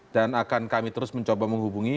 dan akan kami terus mencoba menghubungi